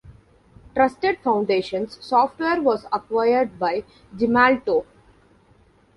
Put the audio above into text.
Trusted Foundations Software was acquired by Gemalto.